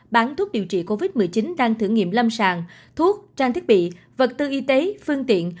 bán thuốc điều trị covid một mươi chín đang thử nghiệm lâm sàng thuốc trang thiết bị vật tư y tế phương tiện